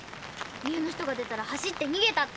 家の人が出たら走ってにげたって。